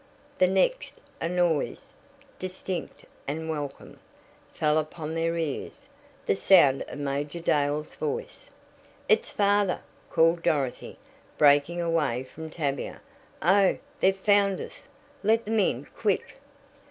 The next a noise distinct and welcome fell upon their ears the sound of Major Dale's voice. "It's father!" called Dorothy, breaking away from Tavia. "Oh, they've found us! Let them in! Quick!"